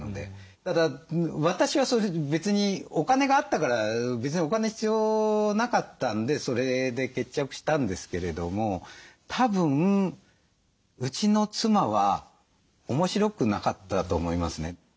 ただ私はそういうふうに別にお金があったから別にお金必要なかったんでそれで決着したんですけれどもたぶんうちの妻は面白くなかったと思いますね。